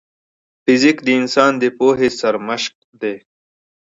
فزیک د انسان د پوهې سرمشق دی.